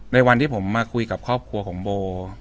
ในวันที่ผมมาคุยกับครอบครัวของโบ